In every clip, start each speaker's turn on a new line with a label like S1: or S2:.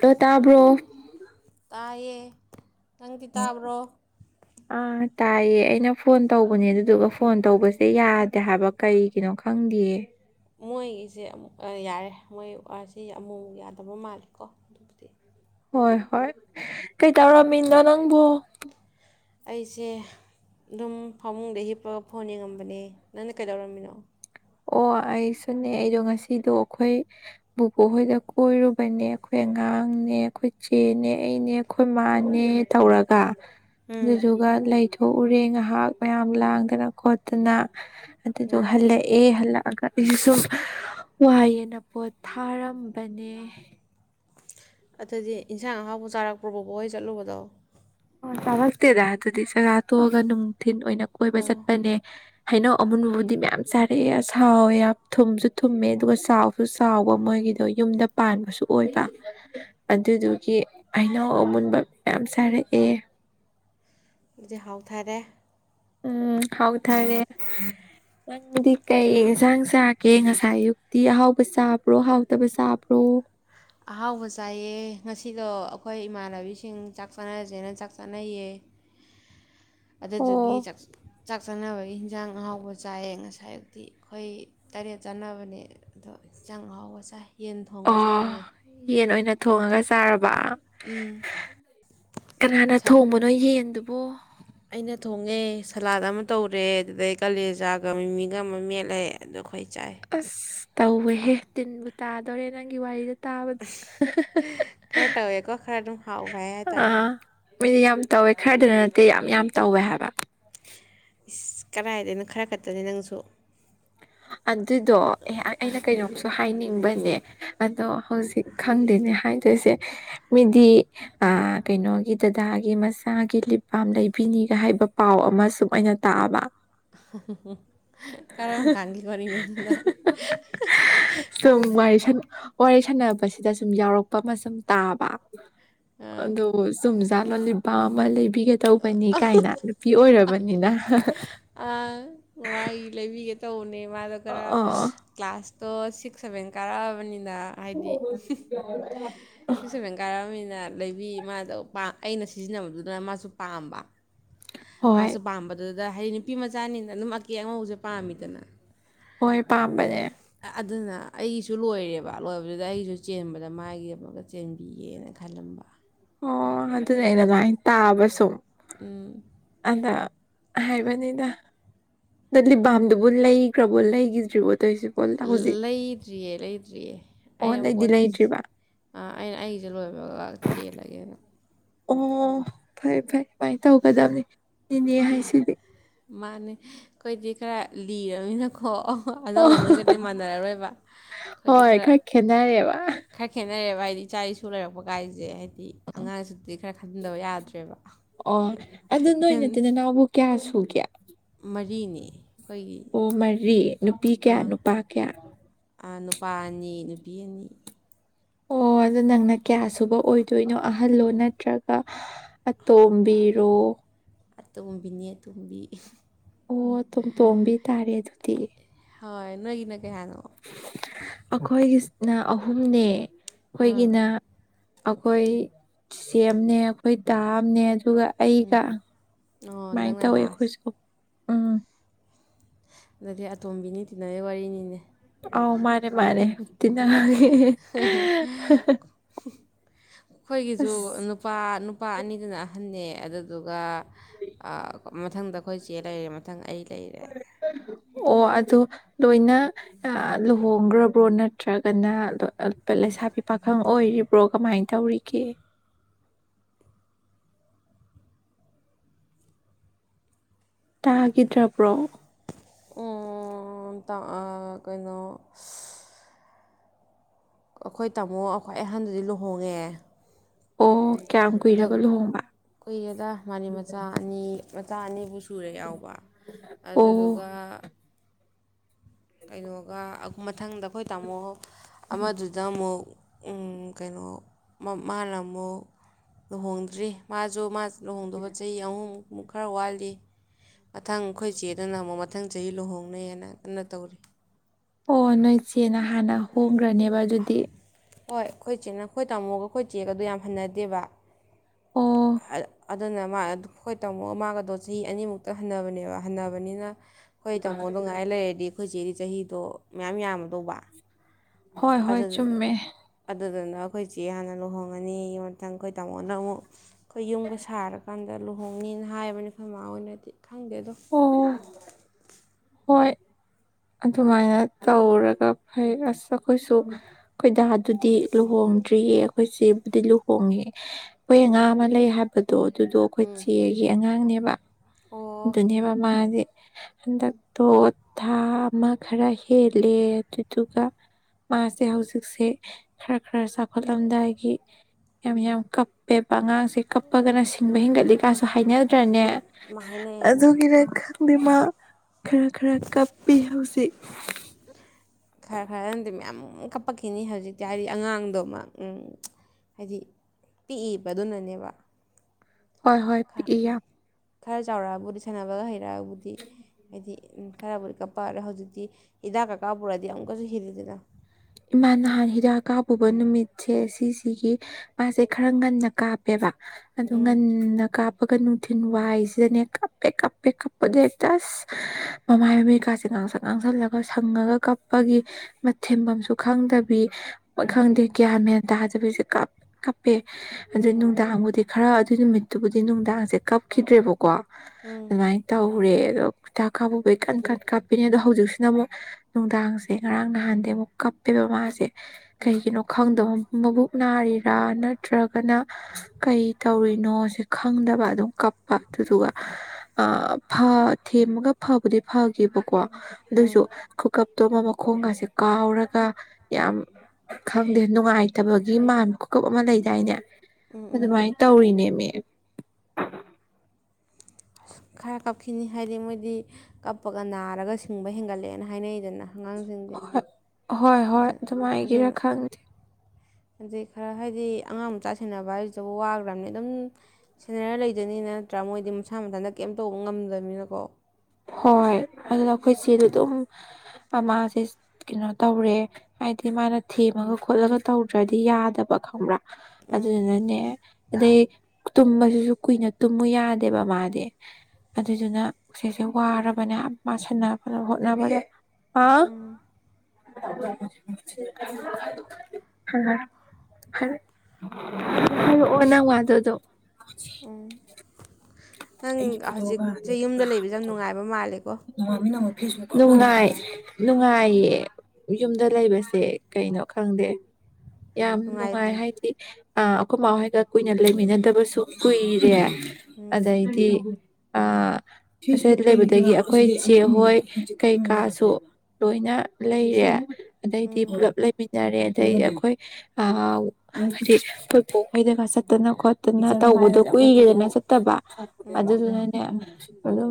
S1: ꯇ ꯇꯥꯕ꯭ꯔꯣ
S2: ꯇꯥꯏꯌꯦ ꯅꯪꯗꯤ ꯇꯥꯕ꯭ꯔꯣ
S1: ꯑꯥ ꯇꯥꯏꯌꯦ ꯑꯩꯅ ꯐꯣꯟ ꯇꯧꯕꯅꯦ ꯑꯗꯨꯗꯨꯒ ꯐꯣꯟ ꯇꯧꯕꯁꯦ ꯌꯥꯗꯦ ꯍꯥꯏꯕ ꯀꯩꯒꯤꯅꯣ ꯈꯪꯗꯦꯌꯦ
S2: ꯃꯣꯏꯒꯤꯁꯦ ꯑꯃꯨꯛ ꯌꯥꯔꯦ ꯃꯣꯏꯁꯦ ꯑꯃꯨꯛ ꯌꯥꯗꯕ ꯃꯥꯜꯂꯦꯀꯣ ꯑꯗꯨꯕꯨꯗꯤ
S1: ꯍꯣꯏ ꯍꯣꯏ ꯀꯩ ꯇꯧꯔꯝꯃꯤꯅꯣ ꯅꯪꯕꯨ
S2: ꯑꯩꯁꯦ ꯑꯗꯨꯝ ꯐꯃꯨꯡꯗ ꯍꯤꯞꯄꯒ ꯐꯣꯟ ꯌꯦꯡꯉꯝꯕꯅꯦ ꯅꯪꯅ ꯀꯩꯗꯧꯔꯝꯃꯤꯅꯣ
S1: ꯑꯣ ꯑꯩꯁꯨꯅꯦ ꯑꯩꯗꯣ ꯉꯁꯤꯗꯣ ꯑꯩꯈꯣꯏ ꯕꯨꯕꯣꯛꯍꯣꯏꯗ ꯀꯣꯏꯔꯨꯕꯅꯦ ꯑꯩꯈꯣꯏ ꯑꯉꯥꯡꯅꯦ ꯑꯩꯈꯣꯏ ꯆꯦꯅꯦ ꯑꯩꯅꯦ ꯑꯩꯈꯣꯏ ꯃꯥꯅꯦ ꯇꯧꯔꯒ
S2: ꯎꯝ
S1: ꯌꯒꯥ ꯂꯥꯏꯠ ꯊꯣꯛꯎꯔꯦ ꯉꯥꯏꯍꯥꯛ ꯃꯌꯥꯝ ꯂꯥꯡꯗꯅ ꯈꯣꯠꯇꯅ ꯑꯗꯨꯗꯣ
S2: ꯎꯝ
S1: ꯍꯜꯂꯦ ꯍ ꯍꯜꯂꯛꯑꯒ ꯑꯩꯁꯨ ꯁꯨꯝ ꯋꯥꯏꯌꯦꯦꯅ ꯄꯣꯠ ꯊꯥꯔꯝꯕꯅꯦ
S2: ꯑꯗꯨꯗꯤ ꯏꯟꯁꯥꯡ ꯑꯍꯥꯎꯕ ꯆꯥꯔꯛꯄ꯭ꯔꯣꯕꯕ ꯍꯣꯏ ꯆꯠꯂꯨꯕꯗꯣ
S1: ꯆꯋꯥꯇꯦꯗ ꯑ ꯑꯗꯨꯗꯤꯁꯒ ꯍꯥ ꯇ ꯍꯒ ꯅꯨꯡ ꯊꯤꯟ ꯑꯣꯏꯅ ꯀꯣꯏꯕ
S2: ꯑꯣ
S1: ꯆꯠꯄꯅꯦ ꯍꯩꯩꯅꯎ ꯑꯃꯨꯟꯕꯕꯨꯗꯤ ꯃꯌꯥꯝ ꯆꯥꯔꯛꯑꯦ ꯁꯥꯎꯋꯦ ꯊꯨꯝꯁꯨ ꯊꯨꯝꯃꯦ ꯑꯗꯨꯒ ꯆꯥꯎꯁꯨ ꯆꯥꯎꯕ ꯃꯣꯏꯒꯤꯗꯣ ꯌꯨꯝꯗ ꯄꯥꯟꯕꯁꯨ ꯑꯣꯏꯕ ꯑꯗꯨꯗꯨꯒꯤ ꯍꯩꯩꯅꯎ ꯑꯃꯨꯟꯕ ꯃꯌꯥꯝ ꯆꯥꯔꯛꯑꯦ ꯑꯦ
S2: ꯍꯥꯎꯊꯔꯦ
S1: ꯎꯝ ꯍꯥꯎꯊꯔꯦ ꯅꯪꯗꯤ ꯀꯩ ꯌꯦꯟꯁꯥꯡ ꯆꯥꯒꯦ ꯉꯁꯥꯏ ꯑꯌꯨꯛꯇꯤ ꯑꯍꯥꯎꯕ ꯆꯥꯕ꯭ꯔꯣ ꯍꯥꯎꯇꯕ ꯆꯥꯕ꯭ꯔꯣ
S2: ꯑꯍꯥꯎꯕ ꯆꯥꯏꯑ ꯉꯁꯤꯗꯣ ꯑꯩꯈꯣꯏ ꯏꯃꯥꯟꯅꯕꯤꯁꯤꯡ ꯆꯥꯛ ꯆꯥꯅꯁꯦꯅ ꯆꯥꯛ ꯆꯥꯅꯩꯌꯦ ꯑꯗꯨꯗꯨꯒꯤ
S1: ꯑꯣ
S2: ꯆꯥꯛ ꯆꯥꯛ ꯆꯥꯅ ꯍꯥꯏꯕ ꯌꯦꯟꯁꯥꯡ ꯑꯍꯥꯎꯕ ꯆꯥꯏꯌꯦ ꯉꯁꯥꯏ ꯍꯥꯏꯛꯇꯤ ꯑꯩꯈꯣꯏ ꯇꯔꯦꯠ ꯆꯥꯅꯕꯅꯦ ꯑꯗꯣ ꯏꯟꯆꯥꯡ ꯍꯥꯎꯕ ꯆꯥꯏ ꯌꯦꯟ ꯊꯣꯡꯉ
S1: ꯑꯣ
S2: ꯆꯥꯏꯔꯌꯦ
S1: ꯌꯦꯟ ꯑꯣꯏꯅ ꯊꯣꯡꯉꯒ ꯇꯔꯔꯕ
S2: ꯎꯝ
S1: ꯀꯅꯥꯅ
S2: ꯁꯥ
S1: ꯊꯣꯡꯕꯅꯣ ꯌꯦꯟꯗꯨ
S2: ꯑꯩꯅ ꯊꯣꯡꯉꯦ ꯁꯂꯥꯠ ꯑꯃ ꯇꯧꯔꯦ ꯑꯗꯨꯗꯩ ꯀꯥꯂꯦꯖꯥꯒ ꯃꯤꯃꯤꯒ ꯑꯃ ꯃꯦꯠꯂꯦ ꯑꯗꯣ ꯑꯩꯈꯣꯏ ꯆꯥꯏ
S1: ꯑꯁ
S2: ꯍꯥ
S1: ꯇꯧꯋꯍꯦ ꯇꯤꯟ ꯇꯥꯗꯔꯦ ꯅꯪ ꯏ ꯋꯥ
S2: ꯈꯔ ꯇꯧꯋꯦꯀꯣ ꯈꯔ ꯑꯗꯨꯝ ꯍꯥꯎꯕ ꯍꯥꯏ ꯍꯥꯏꯇꯥꯔꯦ
S1: ꯑꯥ ꯃꯤꯗꯤ ꯌꯥꯝ ꯇꯧꯋꯦ ꯈꯔꯗꯅ ꯅꯠꯇꯦ ꯌꯥꯝ ꯌꯥꯝ ꯇꯧꯋꯦ ꯍꯥꯏꯕ
S2: ꯀꯗꯥꯥꯏꯗꯅꯣ ꯈꯔ ꯈꯛꯇꯅꯤ ꯅꯪꯁꯨ
S1: ꯑꯗꯨꯗꯣ ꯑꯦ ꯑꯩꯅ ꯀꯩꯅꯣꯝꯁꯨ ꯍꯥꯏꯅꯤꯡꯕ ꯅꯦ ꯑꯗꯣ ꯍꯧꯖꯤꯛ ꯈꯪꯗꯦꯅꯦ ꯍꯥꯏꯗꯣꯏꯁꯦ ꯃꯤꯗꯤ ꯀꯩꯅꯣꯒꯤ ꯗꯗꯥꯒꯤ ꯃꯆꯥꯒꯤ ꯂꯤꯕꯥꯝ ꯂꯩꯕꯤꯅꯤꯒ ꯍꯥꯏꯕ ꯄꯥꯎ ꯑꯃ ꯁꯨꯝ ꯑꯩꯅ ꯇꯥꯛꯑꯕ
S2: ꯀꯔ ꯀ [inaudible]
S1: ꯁꯨꯝ ꯋꯥꯔꯤ ꯁꯥꯟ ꯋꯥꯔꯤ ꯁꯥꯟꯅꯕꯁꯤꯗ ꯁꯨꯝ ꯌꯥꯎꯔꯛꯄ ꯑꯃ ꯁꯨꯝ ꯇꯥꯕ
S2: ꯑꯥ
S1: ꯑꯗꯨꯗ ꯁꯨꯃꯁꯤ ꯥꯂ ꯥꯃꯜ ꯅꯨꯄꯤꯒ ꯇꯧꯕꯅꯤ ꯀꯥꯏꯅ ꯅꯨꯄꯤ ꯑꯣꯏꯔꯕ ꯃꯅꯤꯅ
S2: ꯑ ꯋꯥ ꯂꯩꯕꯤꯒꯦ ꯇꯧꯕꯅꯦꯕ ꯇꯕꯥ
S1: ꯑꯣ
S2: ꯀ꯭ꯂꯥꯁ ꯇꯣ ꯁꯤꯛꯁ ꯁꯚꯦꯟ ꯀꯥꯔꯔꯕꯕꯅꯤ ꯍꯥꯏꯗꯤ ꯀꯤꯁꯃꯦꯟ ꯀꯥꯏꯔꯝꯃꯤꯅ ꯂꯩꯕꯤ ꯃꯥꯗ ꯑꯩꯅ ꯁꯤꯖꯤꯟꯅꯕꯗꯨꯗꯅ ꯃꯥꯁꯨ ꯄꯥꯝꯕ
S1: ꯍꯣꯏ
S2: ꯃꯥꯁꯄꯥꯥꯝꯕꯗ ꯑꯗ ꯍꯥꯏꯗꯤ ꯅꯨꯄꯤ ꯃꯆꯥꯅꯤꯅ ꯑꯗꯨꯝ ꯑꯀꯦ ꯑꯉꯧꯕꯁꯦ ꯄꯥꯝꯃꯤꯗꯅ
S1: ꯍꯣꯏ ꯄꯥꯝꯕꯅꯦ
S2: ꯑ- ꯑꯗꯨꯅ ꯑꯩꯒꯤꯁꯨ ꯂꯣꯏꯔꯦꯕ ꯂꯣꯏꯕꯗꯨꯗ ꯑꯩꯒꯤꯁꯨ ꯆꯦꯟꯕꯗ ꯃꯥꯒꯤꯗꯃꯛꯇ ꯆꯦꯟꯕꯤꯒꯦꯅ ꯈꯜꯂꯝꯕ
S1: ꯑꯣ ꯑꯗꯨꯅꯦꯩꯅ ꯑꯗꯨ ꯑꯩꯅ ꯇꯥꯕ ꯁꯨꯝ ꯑꯗ ꯍꯥꯏꯕꯅꯤꯗ ꯗꫭ ꯂꯤꯞꯕꯥꯝꯗꯨꯕꯨ ꯂꯩꯈ꯭ꯔꯥꯕꫭ ꯂꯩꯒꯤꯗ꯭ꯔꯤꯕꯣ꯫
S2: ꯂ ꯂꯩꯗ꯭ꯔꯤꯌꯦ-ꯂꯩꯗ꯭ꯔꯤꯌꯦ
S1: ꯑꯣ
S2: ꯑꯩꯅ
S1: ꯂꯩꯗꯤ
S2: ꯄꯣꯠ
S1: ꯂꯩꯗ꯭ꯔꯤꯕ
S2: ꯑ ꯑꯩꯅ ꯑꯩꯁꯦ ꯂꯣꯏꯕꯒ ꯆꯦꯜꯂꯒꯦ꯫
S1: ꯑꯣ ꯐꯩ-ꯐꯩ ꯑꯗꯨꯃꯥꯏꯟ ꯇꯧꯒꯗꯕꯅꯤ ꯅꯤꯅꯦ ꯍꯥꯏꯁꯤꯗꯤ꯫
S2: ꯃꯥꯅꯦ ꯑꯩꯈꯣꯏꯗꯤ ꯈꯔ ꯂꯤꯔꯃꯤꯅ ꯀꯣ꯫ ꯍ
S1: ꯑꯣ
S2: ꯑꯅꯧꯕ ꯅꯣꯏꯒꯗꯤ ꯃꯥꯟꯅꯔꯔꯣꯏꯕ ꯑꯩꯈꯣꯏꯗꯤ
S1: ꯍꯣꯏ
S2: ꯈꯔ ꯑꯝ
S1: ꯈꯦꯠꯅꯔꯦꯕ
S2: ꯈꯔ ꯈꯦꯠꯅꯔꯦꯕ ꯍꯥꯏꯗꯤ ꯏꯆꯥ ꯏꯁꯨ ꯂꯩꯔꯛꯄ ꯒꯥꯏꯁꯦ ꯍꯦꯛ ꯗꯤ ꯑꯉꯥꯡꯁꯨꯗꯤ ꯈꯔ ꯈꯟꯗꯕ ꯌꯥꯗ꯭ꯔꯦꯕ
S1: ꯑꯣ ꯑꯗꯨ ꯅꯣꯏ
S2: ꯏꯊꯟ
S1: ꯅꯆꯤꯟ ꯅꯅꯥꯎꯕꯨ ꯁꯨꯒꯦ ꯀꯌꯥ
S2: ꯃꯔꯤꯅꯤ꯫ ꯑꯩꯈꯣꯏꯒꯤ
S1: ꯑꯣ ꯃꯔꯤ ꯅꯨꯄꯤ ꯀꯌꯥ ꯅꯨꯄꯥ ꯀꯌꯥ꯫
S2: ꯑ ꯅꯨꯄꯥ ꯑꯅꯤ ꯅꯨꯄꯤ ꯑꯅꯤ꯫
S1: ꯑꯣ ꯑꯗꯨ ꯅꯪꯅ ꯀꯌꯥ ꯁꯨꯕ ꯑꯣꯏꯗꯣꯏꯅꯣ ꯑꯍꯜꯂꯣ ꯅꯠꯇ꯭ꯔꯒ ꯑꯇꯣꯝꯕꯤꯔꯣ꯫
S2: ꯑꯇꯣꯝꯕꯤꯅꯤ ꯑꯇꯣꯝꯕꯤ꯫
S1: ꯑꯣ ꯇꯣꯝ ꯇꯣꯝꯕꯤ ꯇꯥꯔꯦ ꯑꯗꯨꯗꯤ꯫
S2: ꯍꯣꯏ ꯅꯣꯏꯒꯤ ꯅ ꯀꯌꯥꯅꯣ꯫
S1: ꯑꯩꯈꯣꯏꯒꯤꯁꯤꯅ ꯑꯍꯨꯝꯅꯦ꯫
S2: ꯎꯝ
S1: ꯑꯩꯈꯣꯏꯒꯤꯅ ꯑꯈꯣꯏ ꯆꯦꯝꯅꯦ ꯑꯩꯈꯣꯏ ꯇꯥꯑꯝꯅꯦ ꯑꯗꯨꯒ ꯑꯩꯒ
S2: ꯑꯣ
S1: ꯑꯗꯨꯃꯥꯏꯅ
S2: ꯅꯪꯅ
S1: ꯇꯧꯋꯦ
S2: ꯂꯥꯁ
S1: ꯑꯩꯈꯣꯏꯁꯨ꯫ ꯑꯝ
S2: ꯑꯗꯨꯗꯤ ꯑꯇꯣꯝꯕꯤꯅꯤ ꯇꯤꯟꯅꯩ ꯋꯥꯔꯤꯅꯤꯅꯦ꯫
S1: ꯑꯥꯎ ꯃꯥꯥꯟ
S2: ꯍꯍꯍꯍ ꯍꯝ ꯑꯩꯈꯣꯏꯒꯤꯁꯨ
S1: ꯑꯁ
S2: ꯅꯨꯄꯥ ꯅꯨꯄꯥ ꯑꯅꯤꯗꯨꯅ ꯑꯍꯟꯅꯦ꯫ ꯑꯗꯨꯗꯨꯒ ꯑ ꯃꯊꯪꯗ ꯑꯩꯈꯣꯏ ꯆꯦ ꯂꯩꯔꯦ ꯃꯊꯪ ꯑꯩ ꯂꯩꯔꯦ
S1: ꯑꯣ ꯑꯗꯣ ꯂꯣꯏꯅ ꯑ ꯂꯨꯍꯣꯡꯒ꯭ꯔꯕꯣ ꯅꯠꯇ꯭ꯔꯒꯅ ꯂ ꯑ ꯂꯩꯁꯥꯕꯤ ꯄꯥꯈꯪ ꯑꯣꯏꯔꯤꯕ꯭ꯔꯣ ꯀꯃꯥꯏꯟ ꯇꯧꯔꯤꯒꯦ꯫ ꯇꯥꯒꯤꯗ꯭ꯔꯕ꯭ꯔꯣ꯫
S2: ꯑꯣ ꯇ ꯑ ꯀꯩꯅꯣ ꯑꯈꯣꯏ ꯇꯥꯃꯣ ꯑ ꯈ꯭ꯋꯥꯏ ꯑꯍꯟꯗꯨꯗꯤ ꯂꯨꯍꯣꯡꯉꯦ꯫
S1: ꯑꯣ ꯀꯌꯥꯝ
S2: ꯑꯗꯣ
S1: ꯀꯨꯏꯔꯕ ꯂꯨꯍꯣꯡꯕ
S2: ꯀꯨꯏꯔꯦꯗ ꯃꯥꯗꯤ ꯃꯆꯥ ꯑꯅꯤ ꯃꯆꯥ ꯑꯅꯤ ꯅꯤ ꯁꯨꯔꯦ ꯌꯥꯎꯕ
S1: ꯑꯣ
S2: ꯑꯗꯨꯗꯨꯒ ꯀꯩꯅꯣꯒ ꯑꯛ ꯃꯊꯪꯗ ꯑꯩꯈꯣꯏ ꯇꯥꯃꯣ ꯑꯃꯗꯨꯗ ꯑꯃꯨꯛ ꯎꯝ ꯀꯩꯅꯣ ꯃꯥ ꯃꯥꯅ ꯑꯃꯨꯛ ꯂꯨꯍꯣꯡꯗ꯭ꯔꯤ ꯃꯥꯁꯨ ꯃꯥ ꯂꯨꯍꯣꯡꯗꯧꯕ ꯆꯍꯤ ꯑꯍꯨꯝꯃꯨꯛ ꯈꯔ ꯋꯥꯠꯂꯤ ꯃꯊꯪ ꯑꯩꯈꯣꯏ ꯆꯦꯗꯅ ꯑꯃꯨꯛ ꯃꯊꯪ ꯆꯍꯤ ꯂꯨꯍꯣꯡꯅꯩ ꯍꯥꯏꯅ ꯀꯟꯅ ꯇꯧꯔꯤ
S1: ꯑꯣ ꯅꯣꯏ ꯏꯆꯦꯅ ꯍꯥꯟꯅ ꯍꯣꯡꯈ꯭ꯔꯅꯦꯕ ꯑꯗꯨꯗꯤ
S2: ꯍꯣꯏ ꯑꯩꯈꯣꯏ ꯆꯦꯛꯅ ꯑꯩꯈꯣꯏ ꯇꯥꯃꯣꯒ ꯑꯩꯈꯣꯏ ꯆꯦꯛꯒ ꯑꯗꯨ ꯌꯥꯝ ꯐꯟꯅꯗꯦꯕ
S1: ꯑꯣ
S2: ꯑ ꯑꯗꯨꯅ ꯃꯥ ꯑꯩꯣꯏ ꯇꯥꯃꯣ ꯃꯥꯒꯗꯣ ꯆꯍꯤ ꯑꯅꯤꯃꯨꯛꯇ ꯍꯟꯅꯕꯅꯦꯕ ꯍꯟꯅꯕꯅꯤꯅ ꯍꯣꯏ ꯇꯥꯃꯣꯗꯣ ꯉꯥꯏ ꯂꯩꯔꯗꯤ ꯑꯩꯈꯣꯏ ꯆꯦꯗꯤ ꯆꯍꯤꯗꯣ ꯃꯌꯥꯝ ꯌꯥꯝꯃꯗꯧꯕ
S1: ꯍꯣꯏ ꯍꯣꯏ
S2: ꯑꯗꯨꯗꯨꯅ
S1: ꯆꯨꯝꯃꯦ
S2: ꯑꯗꯨꯗꯨꯅ ꯑꯩꯈꯣꯏꯁꯤꯦ ꯍꯥꯟꯅ ꯂꯨꯍꯣꯡꯉꯅꯤ ꯃꯊꯪ ꯑꯩꯈꯣꯏ ꯇꯥꯃꯣꯅ ꯑꯃꯨꯛ ꯑꯩꯈꯣꯏ ꯌꯨꯝꯒ ꯁꯥꯔꯀꯥꯟꯗ ꯂ ꯍꯣꯡꯅꯤꯅ ꯍꯥꯏꯕꯅꯦꯈꯣꯏꯃꯥ ꯑꯣꯏꯅꯗꯤ ꯈꯪꯗꯦ ꯑꯗꯣ
S1: ꯑꯣ ꯍꯣꯏ ꯑꯗꯨꯃꯥꯏꯅ ꯇꯧꯔꯒ ꯐꯩ ꯑꯁ ꯑꯩꯈꯣꯏꯁꯨ ꯈꯣꯏꯗꯥꯗꯨꯗꯤ ꯂꯨꯍꯣꯡꯗ꯭ꯔꯤꯌꯦ ꯑꯩꯈꯣꯏ ꯆꯦꯕꯨꯗꯤ ꯂꯨꯍꯣꯡꯉꯦ ꯑꯩꯈꯣꯏ ꯑ ꯉꯥ ꯑꯃ ꯂꯩ ꯍꯥꯏꯕꯗꯣ ꯑꯗꯨꯗꯣ ꯑꯩꯈꯣꯏ
S2: ꯎꯝ
S1: ꯆꯦꯒꯤ ꯑꯉꯥꯡꯅꯦ ꯋꯥ
S2: ꯑꯣ
S1: ꯅꯤꯌꯥꯕ ꯃꯥꯖꯤ ꯍꯟꯗꯛꯇꯣ ꯊꯥ ꯑꯃ ꯈꯔ ꯍꯦꯜꯂꯦ ꯑꯗꯨꯗꯨꯒ ꯃꯥꯁꯦ ꯍꯧꯖꯤꯛꯁꯦ ꯈꯔ ꯈꯔ ꯆꯥꯎꯈꯠꯂꯝꯗꯥꯏꯒꯤ ꯌꯥꯝ ꯌꯥꯝ ꯀꯞꯄꯦꯕ ꯑꯉꯥꯡ ꯀꯄꯒꯅ ꯁꯤꯡꯕ‌ ꯍꯦꯟꯒꯠ ꯑꯀꯥꯁꯨ ꯍꯥꯏꯅ ꯭ꯔꯅꯦ
S2: ꯎꯝ ꯃꯥ ꯍꯥꯏꯅꯩ ꯍꯥꯏꯅꯩ
S1: ꯑꯗꯨꯒꯤꯅ ꯃꯥ ꯈꯔ ꯈꯔ ꯀꯞꯄꯤ ꯍꯧꯖꯤꯛ
S2: ꯈꯔ ꯈꯔꯪꯗꯤ ꯃꯌꯥꯝ ꯀꯞꯄꯛꯈꯤꯅꯤ ꯍꯧꯖꯤꯛꯇꯤ ꯍꯥꯏꯗꯤ ꯑꯉꯥꯡꯗꯣꯃ ꯍꯥꯏꯗꯤ ꯄꯤꯛꯏꯕꯗꯨꯅꯅꯦꯕ
S1: ꯍꯣꯏ ꯍꯣꯏ ꯌꯥꯝ
S2: ꯈꯔ ꯆꯥꯎꯔꯛꯒꯕꯨꯗꯤ ꯁꯥꯟꯅꯕꯒ ꯍꯩ ꯔꯥꯕꯨꯗꯤ ꯍꯥꯏꯗꯤ ꯊꯔꯕꯨꯗꯤ ꯀꯥꯄꯔꯦ ꯍꯧꯖꯤꯛꯇꯤ ꯍꯤꯗꯥꯛ ꯀꯀꯀꯥꯞꯄꯔꯗꯤ ꯑꯃꯨꯛꯀꯁꯨ ꯍꯤꯜꯂꯤꯗꯅ
S1: ꯏꯃꯥ ꯅꯍꯥꯟ ꯍꯤꯗꯥꯛ ꯀꯥꯞꯄꯨꯕ ꯅꯨꯃꯤꯠꯁꯦ ꯁꯤꯁꯤꯒꯤ ꯃꯥꯁꯦ ꯈꯔ ꯉꯟꯅ ꯀꯥꯞꯄꯦꯕ ꯑꯗꯨ
S2: ꯎꯝ
S1: ꯉꯟꯅ ꯀꯥꯞ ꯀꯞꯄꯒ ꯅꯨꯡꯊꯤꯟ ꯋꯥꯏꯁꯤꯗꯅꯦ ꯀꯞꯄꯦ ꯀꯞꯄꯦ ꯀꯞꯄꯗ ꯖꯁ ꯃꯃꯥꯏ ꯃꯃꯤꯀꯥꯁꯦ ꯉꯥꯡꯁꯛ ꯉꯥꯡꯁꯜꯂꯒ ꯁꯪꯉꯒ ꯀꯞꯄꯒꯤ ꯃꯊꯦꯝꯐꯝꯨ ꯈꯪꯗꯕꯤ ꯈꯪꯗꯦ
S2: ꯎꯝ
S1: ꯀꯌꯥ ꯃꯦꯟ ꯇꯥ ꯁꯦ ꯀꯥꯞ ꯀꯞ ꯄꯦ ꯑꯗꯩ
S2: ꯎꯝ
S1: ꯅꯨꯡꯗꯥꯡꯕꯨꯗꯤ ꯈꯔ ꯑꯗꯨꯏ ꯅꯨꯃꯤꯠꯇꯨꯕꯨꯗꯤ ꯅꯨꯡꯗꯥꯡꯁꯦ ꯀꯞꯈꯤꯗ꯭ꯔꯦꯕꯀꯣ
S2: ꯎꯝ
S1: ꯑꯗꯨꯃꯥꯏ ꯇꯧ ꯄꯨꯔꯛꯑꯦ ꯑꯗꯣ ꯍꯤꯗꯥꯛ ꯀꯥꯞꯄꯨꯕꯩ ꯀꯟ ꯀꯟ ꯀꯞꯄꯤꯅꯦ ꯑꯗꯣ ꯍꯧꯖꯤꯛꯁꯤꯅ ꯑꯃꯨꯛ ꯅꯨꯡꯗꯥꯡꯁꯦ ꯉꯔꯥꯡ ꯉꯍꯥꯟꯗꯩ ꯑꯃꯨꯛ ꯀꯞꯄꯦꯕ ꯃꯥꯁꯦ
S2: ꯎꯝ
S1: ꯀꯩꯒꯤꯅꯣ ꯈꯪꯗꯕ ꯃꯕꯨꯛ ꯅꯥꯔꯤꯔꯥ ꯅꯠꯇ꯭ꯔꯒꯅ ꯀꯩ ꯇꯧꯔꯤꯅꯣꯁꯦ ꯈꯪꯗꯕ ꯑꯗꯨꯝ ꯀꯞꯄ ꯑꯗꯨꯗꯨꯒ ꯑꯥ ꯐ ꯊꯦꯝꯃꯒ ꯐꯕꯨꯗꯤ ꯐꯒꯤꯕ ꯀꯣ
S2: ꯎꯝ
S1: ꯑꯗꯨꯏꯁꯨ ꯈꯨꯀꯞ ꯑꯇꯣꯞꯄ ꯃꯈꯣꯡꯒꯥꯁꯦ ꯀꯥꯎꯔ ꯑꯥ ꯌꯥꯝ ꯈꯪꯗꯦ ꯅꯨꯡꯉꯥꯏꯇꯕꯒꯤ ꯃꯥꯟꯕ ꯈꯨꯀꯞ ꯑꯃ ꯂꯩꯗꯥꯏꯅꯦ
S2: ꯎꯝ ꯎꯝ
S1: ꯑꯗꯨꯃꯥꯏ ꯇꯧꯔꯤꯅꯦꯃꯤ [unintelligible]
S2: ꯑꯁ ꯈꯔ ꯀꯞꯈꯤꯅꯤ ꯍꯥꯏꯗꯤ ꯃꯣꯏꯗꯤ ꯀꯞꯄꯒ ꯅꯥꯔꯒ ꯁꯤꯡꯕ ꯍꯦꯟꯒꯠꯂꯑꯦꯅ ꯍꯥꯏꯅꯩꯗꯅ ꯑꯉꯥꯡꯁꯤꯡꯗꯤ
S1: ꯍꯣꯏ ꯍꯣꯏ
S2: ꯑꯗꯨ
S1: ꯑꯗꯨꯝꯃꯥꯏꯒꯤꯔꯥ
S2: ꯑꯗꯨꯅ
S1: ꯈꯪꯗꯦ
S2: ꯑꯗꯩ ꯈꯔ ꯍꯥꯏꯗꯤ ꯑꯉꯥꯡ ꯃꯆꯥ ꯁꯦꯟꯅꯕ ꯍꯥꯏꯁꯤꯗꯕꯨ ꯋꯥꯈ꯭ꯔꯕꯅꯤ ꯑꯗꯨꯝ ꯁꯦꯟꯅꯔ ꯂꯩꯗꯣꯏꯅꯤ ꯅꯠꯇ꯭ꯔꯥ ꯃꯣꯏꯗꯤ ꯃꯁꯥ ꯃꯊꯟꯗ ꯀꯩꯝ ꯇꯧꯕ ꯉꯝꯗꯕꯅꯤꯅꯀꯣ
S1: ꯍꯣꯏ ꯍꯣꯏ ꯑꯗꯨꯅ ꯑꯩꯈꯣꯏ ꯆꯦꯗꯣ ꯑꯗꯨꯝ ꯃꯃꯥꯖꯦ ꯀꯩꯅꯣ ꯇꯧꯔꯦ ꯍꯥꯏꯗꯤ ꯃꯥꯅ ꯊꯦꯝꯃꯒ ꯈꯣꯠꯂꯒ ꯇꯧꯗ꯭ꯔꯗꯤ ꯌꯥꯗꯕ ꯈꯪꯕ꯭ꯔꯥ ꯑꯗꯨꯗꯨꯅꯅꯦ ꯑꯗꯩ ꯇꯨꯝꯕꯁꯤꯁꯨ ꯀꯨꯏꯅ ꯇꯨꯝꯃꯨ ꯌꯥꯗꯦꯕ ꯃꯥꯗꯤ ꯑꯗꯨꯗꯨꯅ ꯆꯦꯁꯦ ꯋꯥꯔꯕꯅꯦ ꯍꯥꯏꯕ ꯃꯥ ꯁꯦꯟꯅ ꯍꯣꯠꯅꯕꯗ ꯑꯥ ꯍꯪ ꯍ
S2: ꯍꯜ
S1: ꯍꯥꯏꯔꯣ ꯍꯥꯏꯔꯛꯑꯣ ꯅꯪ ꯋꯥꯗꯣ ꯑꯗꯨꯝ
S2: ꯅꯪ ꯍꯧꯖꯤꯛ ꯆꯦ ꯌꯨꯝꯗ ꯂꯩꯕꯖꯦ ꯌꯥꯝ ꯅꯨꯡꯉꯥꯏꯕ ꯃꯥꯜꯂꯦ ꯀꯣ
S1: ꯅꯪꯃꯨꯛ ꯐꯦꯁꯕꯨꯛ ꯅꯨꯡꯉꯥꯏ ꯅꯨꯡꯉꯥꯏꯌꯦ ꯌꯨꯝꯗ ꯂꯩꯕꯁꯦ ꯀꯩꯅꯣ ꯈꯪꯗꯦ ꯌꯥꯝ ꯅꯨꯡꯉꯥꯏ ꯍꯥꯏꯗꯤ ꯑ ꯑꯈꯣꯏ ꯃꯥꯥ ꯍꯣꯏꯒ ꯀꯨꯏꯅ ꯂꯩꯃꯤꯟꯅꯗꯕꯁꯨ ꯀꯨꯏꯔꯦ
S2: ꯎꯝ
S1: ꯑꯗꯩꯗꯤ ꯑꯥ ꯐ꯭ꯌꯨꯁꯦ ꯑꯗꯨ ꯂꯩꯕꯗꯒꯤ ꯑꯩꯈꯣꯏ ꯆꯦꯍꯣꯏ ꯀꯩ ꯀꯥꯁꯨ ꯂꯣꯏꯅ ꯂꯩꯔꯦ ꯑꯗꯩꯗꯤ
S2: ꯎꯝ
S1: ꯄꯨꯂꯞ ꯂꯩꯃꯤꯟꯅꯔꯦ ꯑꯗꯩꯗꯤ ꯑꯩꯈꯣꯏ ꯑꯥ ꯍꯥꯏꯗꯤ ꯑꯩꯈꯣꯏꯄꯣꯛ ꯍꯣꯏꯗꯒ ꯆꯠꯇꯅ ꯈꯣꯠꯇꯅ ꯇꯧꯕꯗꯣ ꯀꯨꯏꯔꯦꯗꯅ ꯆꯠꯇꯕ
S2: ꯎꯝ
S1: ꯑꯗꯨꯗꯨꯅꯅꯦ ꯑꯗꯣ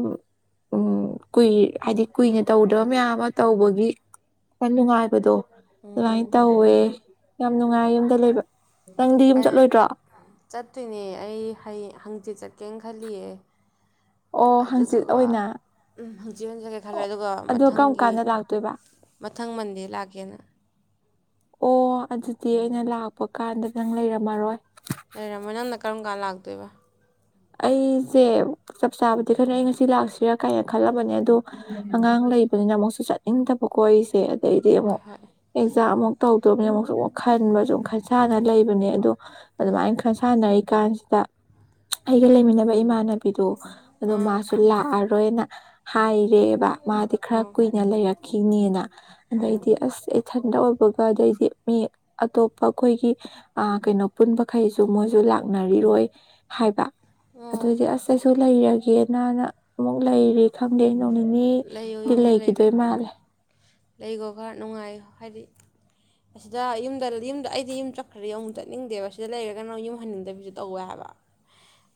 S1: ꯎꯝ ꯀꯨꯏ ꯍꯥꯏꯗꯤ ꯀꯨꯏꯅ ꯇꯧꯔꯨꯗꯕ ꯃꯌꯥꯝ ꯑꯃ ꯇꯧꯕꯒꯤ ꯐꯟ ꯅꯨꯡꯉꯥꯏꯕꯗꯣ
S2: ꯎꯝ
S1: ꯗꯨꯃꯥꯏ
S2: ꯎꯝ
S1: ꯇꯧꯋꯦ ꯌꯥꯝ ꯅꯨꯡꯉꯥꯏ ꯌꯨꯝꯗ ꯂꯩꯕ ꯅꯪꯗꯤ ꯌꯨꯝ
S2: ꯑꯩ
S1: ꯆꯠꯂꯣꯏꯗ꯭ꯔꯣ
S2: ꯆꯠꯇꯣꯏꯅꯦ ꯑꯩ ꯍꯌꯦꯡ ꯍꯪꯆꯤꯠ ꯆꯠꯀ ꯀꯡꯈꯜꯂꯤꯌꯦ
S1: ꯑꯣ ꯍꯪꯆꯤꯠ
S2: ꯑꯗꯨꯗꯨꯒ
S1: ꯑꯣꯏꯅ
S2: ꯍꯪꯆꯤ ꯍꯟꯖꯒꯦ ꯈꯜꯂꯦ
S1: ꯑꯣ
S2: ꯑꯗꯨꯒ
S1: ꯑꯗꯣ ꯀꯔꯝ
S2: ꯃꯊꯪꯒꯤ
S1: ꯀꯥꯟꯗ ꯂꯥꯛꯇꯣꯏꯕ
S2: ꯃꯊꯪ ꯃꯟꯗꯦ ꯂꯥꯛꯀꯦꯅ
S1: ꯑꯣ ꯑꯗꯨꯗꯤ ꯑꯩꯅ ꯂꯥꯛꯄ ꯀꯥꯟꯗ ꯅꯪ ꯂꯩꯔꯝ ꯃꯔꯣꯏ
S2: ꯂꯩꯔꯝꯃꯥꯏ ꯅꯪꯅ ꯀꯔꯝ ꯀꯥꯟ ꯂꯥꯛꯇꯣꯏꯕ
S1: ꯑꯩꯖꯦ ꯆꯞꯆꯥꯕꯗꯤ ꯈꯔ ꯑꯩ ꯉꯁꯤ ꯂꯥꯛꯁꯤꯔꯥ ꯀꯥꯏꯅ ꯈꯜꯂꯕꯅꯦ ꯑꯗꯣ ꯑꯉꯥꯡ ꯂꯩꯕꯅꯤꯅ ꯑꯃꯨꯛꯁꯨ ꯆꯠꯅꯤꯡꯗꯕ ꯀꯣ ꯑꯩꯁꯦ ꯑꯗꯩꯗꯤ
S2: ꯍꯣꯏ
S1: ꯑꯃꯨꯛ
S2: ꯍꯣꯏ
S1: ꯑꯦꯛꯖꯥꯝꯃꯨꯛ ꯇꯧ ꯇꯣꯃꯤ ꯑꯃꯨꯛꯁꯨ ꯑꯃꯨꯛ ꯈꯟꯕꯁꯨꯨ ꯈꯟ ꯁꯥꯟꯅ ꯂꯩꯕꯅꯦ ꯑꯗꯣ ꯑꯗꯨꯃꯥꯏꯅ ꯈꯟ ꯁꯥꯟꯅꯔꯤ ꯀꯥꯟꯁꯤꯗ ꯑꯩꯒ ꯂꯩꯃꯤꯟꯅꯕ ꯏꯃꯥꯟꯅꯕꯤꯗꯣ ꯑꯗꯣ
S2: ꯑꯥ
S1: ꯃꯥꯁꯨ ꯂꯥꯛꯑꯔ ꯗꯣ ꯑꯩꯅ ꯍꯥꯏꯔꯦꯕ ꯃꯥꯗꯤ ꯈꯔ
S2: ꯑꯣ
S1: ꯀꯨꯏꯅ ꯂꯩꯔꯛ ꯈꯤꯅꯦꯅ
S2: ꯑꯣ
S1: ꯑꯗꯩꯗꯤ ꯑꯁ ꯑꯩ ꯏꯊꯟꯗ ꯑꯣꯏꯕꯒ ꯑꯗꯩꯗꯤ ꯃꯤ ꯑꯇꯣꯞꯄ ꯑꯩꯈꯣꯏꯒꯤ ꯑꯥ ꯀꯩꯅꯣ ꯄꯨꯟꯕꯈꯩꯁꯨ ꯃꯣꯏꯁꯨ ꯂꯥꯛꯅꯔꯤꯔꯣꯏ ꯍꯥꯏꯕꯥ
S2: ꯑꯣ
S1: ꯑꯗꯨꯗꯤ ꯑꯁ ꯑꯩꯁꯨ ꯂꯩꯔ ꯒꯦꯅꯥꯅ ꯑꯃꯨꯛ ꯂꯩꯔꯤ ꯈꯪꯗꯦ ꯅꯣꯡ
S2: ꯂꯩꯌꯣ
S1: ꯅꯤꯅꯤꯗꯤ
S2: ꯌꯨꯝꯗ ꯂꯩꯕ
S1: ꯂꯩꯈꯤꯗꯣꯏ ꯃꯥꯜꯂꯦ
S2: ꯂꯩꯒꯣ ꯈꯔ ꯅꯨꯡꯉꯥꯏ ꯍꯥꯏꯗꯤ ꯑꯁꯤꯗ ꯌꯨꯝꯗ ꯌꯨꯝꯗ ꯑꯩꯗꯤ ꯌꯨꯝ ꯆꯠꯈ꯭ꯔꯗꯤ ꯑꯃꯨꯛ ꯆꯠꯅꯤꯡꯗꯦꯕ ꯁꯤꯗ ꯂꯩꯔꯒꯅ ꯑꯃꯨꯛ ꯌꯨꯝ ꯍꯟꯅꯤꯡꯗꯕꯤꯁꯨ ꯇꯧꯋꯦ ꯍꯥꯏꯕ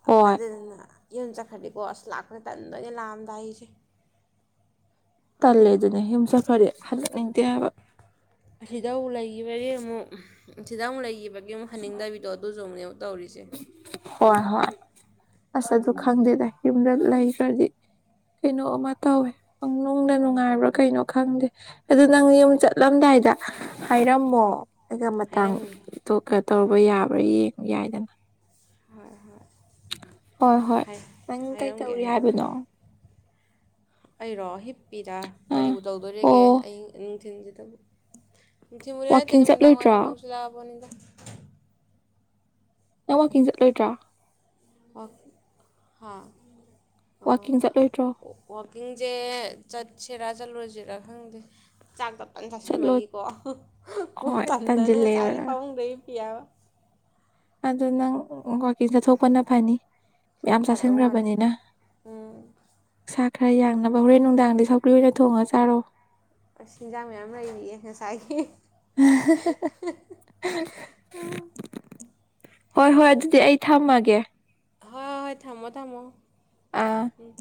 S1: ꯍꯣꯏ
S2: ꯑꯗꯨꯗꯅ ꯌꯨꯝ ꯆꯠꯈꯔꯥꯗꯤ ꯀꯣ ꯑꯁ ꯂꯥꯛꯄꯥꯗ ꯇꯟꯗꯣꯏꯅꯦ ꯂꯥꯛ ꯑꯝꯗꯥꯏꯖꯤ
S1: ꯇꯜꯂꯦ ꯑꯗꯨꯅꯦ ꯌꯨꯝ ꯆꯈꯗꯤ [unintelligible] ꯀꯩ ꯍꯥꯏꯕꯥ
S2: ꯁꯤꯗꯧ ꯂꯩꯈꯤꯕꯒꯤ ꯑꯃꯨꯛ ꯁꯤꯗꯥ ꯑꯃꯨꯛ ꯂꯩꯈꯤꯕ ꯌꯨꯝ ꯍꯟꯅꯤꯡꯗꯕꯤꯗꯣ ꯑꯗꯨꯖꯧ ꯅꯦꯕꯥ ꯇꯧꯔꯤꯖꯦ
S1: ꯍꯣꯏ ꯍꯣꯏ ꯑꯁ ꯑꯗꯨ ꯈꯪꯗꯦꯗ ꯌꯨꯝꯗ ꯂꯩꯈ꯭ꯔꯗꯤ ꯀꯩꯅꯣ ꯑꯃ ꯇꯧꯋꯦ ꯅꯨꯡꯗ ꯅꯨꯡꯉꯥꯏꯕ꯭ꯔꯥ ꯀꯩꯅꯣ ꯈꯪꯗꯦ ꯑꯗꯨ ꯅꯪ ꯌꯨꯝ ꯆꯠꯂꯝꯗꯥꯏꯗ ꯍꯥꯏꯔꯝꯃꯣ ꯑꯩꯒ ꯃꯇꯥꯡ
S2: ꯍꯥꯏꯔꯝꯒꯦ
S1: ꯇꯣꯀꯠ ꯇꯧꯔꯧꯕ ꯌꯥꯕ꯭ꯔꯥ ꯌꯦꯡꯉ ꯌꯥꯏꯗꯅ
S2: ꯍꯣꯏ ꯍꯣꯏ
S1: ꯍꯣꯏ ꯍꯣꯏ ꯅꯪ
S2: ꯍꯥꯏꯔꯝꯒꯦ
S1: ꯀꯩꯇꯧꯔꯤ
S2: ꯍꯥꯏꯔꯝꯒꯦ
S1: ꯍꯥꯏꯕꯅꯣ
S2: ꯑꯩꯔꯣ ꯍꯤꯞꯄꯤꯗꯥ
S1: ꯑꯥ
S2: ꯀꯔꯤꯕꯨ ꯇꯧꯗꯣꯔꯤꯒꯦ
S1: ꯑꯣ
S2: ꯑꯩ ꯅꯨꯡꯊꯤꯜꯁꯤꯗꯕꯨ ꯅꯨꯡꯊꯤꯜꯕꯨ ꯅꯠꯇꯦꯅꯦ
S1: ꯋꯥꯛꯀꯤꯡ
S2: ꯅꯨꯝꯗꯥꯡ
S1: ꯆꯠꯂꯣꯏꯗ꯭ꯔꯣ
S2: ꯋꯥꯏꯔꯝ ꯌꯦꯁꯤꯜꯂꯛꯑꯥ ꯄꯣꯠꯅꯤꯗꯥ
S1: ꯅꯪ ꯋꯥꯀꯤꯡ ꯆꯠꯂꯣꯏꯗ꯭ꯔꯥ
S2: ꯍꯥꯥ
S1: ꯋꯥꯛꯀꯤꯡ ꯆꯠꯂꯣꯏꯗ꯭ꯔꯣ
S2: ꯋꯥꯀꯤꯡꯁꯦ ꯆꯠ ꯁꯦꯔꯥ ꯆꯠꯂꯨꯁꯤꯔꯥ ꯈꯪꯗꯦ ꯆꯥꯛꯗ
S1: ꯆꯠꯂꯣ
S2: ꯆꯥꯁꯤꯟꯕꯒꯤꯀꯣ
S1: ꯍꯣꯏ
S2: ꯇꯟꯗ ꯅꯪ ꯉ
S1: ꯇꯟꯁꯤꯜꯂꯦꯕ
S2: ꯆꯥꯏꯔꯤ ꯄꯥꯃꯨꯡꯗꯩ ꯄꯤꯕ
S1: ꯑꯗꯨ ꯅꯪ ꯋꯥꯀꯤꯡ‌ ꯆꯠ ꯊꯣꯛꯄꯅ ꯐꯅꯤ ꯌꯥꯝ
S2: ꯐꯗꯧ ꯃꯥꯜꯂꯦ
S1: ꯆꯥꯁꯤꯟꯈ꯭ꯔꯕꯅꯤꯅ
S2: ꯎꯝ
S1: ꯈꯔ ꯌꯥꯡꯅꯕ ꯍꯣꯔꯦꯟ ꯅꯨꯡꯗꯥꯡꯗꯤ ꯁꯧ꯭ꯂꯤ ꯑꯣꯏꯅ ꯊꯣꯡꯉ ꯆꯥꯔꯣ
S2: ꯆꯤꯟꯖꯥꯡ ꯃꯌꯥꯝ ꯂꯩꯔꯤꯑꯌꯦ ꯉꯁꯥꯏꯒꯤ
S1: [inaudible] ꯍꯣꯏ ꯍꯣꯏ ꯑꯗꯨꯗꯤ ꯑꯩ ꯊꯝꯃꯒꯦ
S2: ꯍꯣꯏ ꯍꯣꯏ ꯊꯝꯃꯣ ꯊꯝꯃꯣ
S1: ꯑꯥ
S2: ꯎꯝ